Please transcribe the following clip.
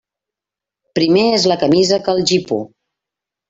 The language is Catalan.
Primer és la camisa que el gipó.